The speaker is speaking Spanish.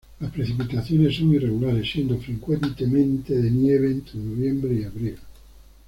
Las precipitaciones son irregulares, siendo frecuentemente de nieve entre noviembre y abril.